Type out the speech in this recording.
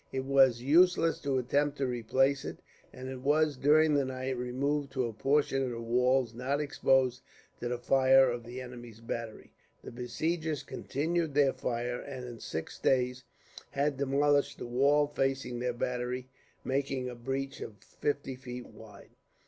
It was useless to attempt to replace it, and it was, during the night, removed to a portion of the walls not exposed to the fire of the enemy's battery. The besiegers continued their fire, and in six days had demolished the wall facing their battery, making a breach of fifty feet wide.